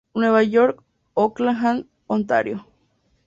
Nueva York, Oakland, Ontario.